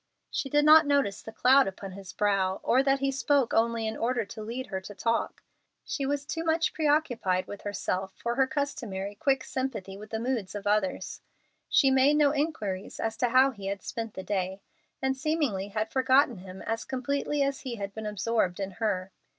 She did not notice the cloud upon his brow, or that he spoke only in order to lead her to talk. She was too much preoccupied with herself for her customary quick sympathy with the moods of others. She made no inquiries as to how he had spent the day, and seemingly had forgotten him as completely as he had been absorbed in her.